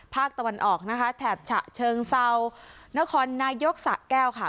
ภาคตะวันออกนะคะแถบฉะเชิงเซานครนายกสะแก้วค่ะ